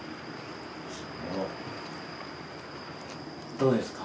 どうですか？